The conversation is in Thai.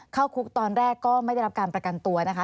เข้าคุกตอนแรกก็ไม่ได้รับการประกันตัวนะคะ